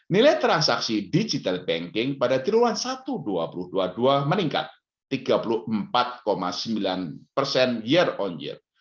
nilai transaksi digital banking pada triwulan satu dua ribu dua puluh dua meningkat tiga puluh empat sembilan persen year on year